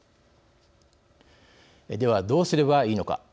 ではどうすればいいのか。